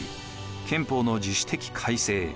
憲法の自主的改正